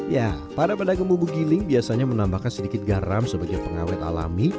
ya para pedagang bumbu giling biasanya menambahkan sedikit garam sebagai pengawet alami